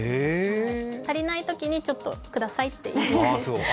足りないときに、ちょっとくださいと言って。